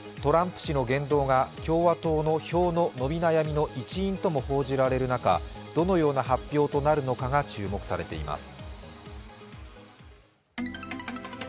トランプ氏の言動が共和党の票の伸び悩みの一因とも評される中、どのような発表となるのかが注目されています。